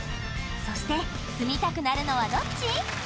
そして住みたくなるのはどっち？